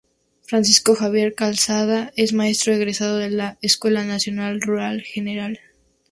Francisco Javier Calzada es maestro egresado de la Escuela Normal Rural "Gral.